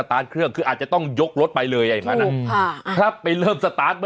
ราชาพวกเครื่องอาจจะต้องยกรถไปเลยถูกดูกค่ะรักไปเริ่ม